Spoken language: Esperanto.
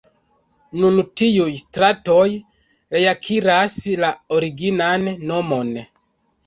Nun tiuj stratoj reakiras la originan nomon.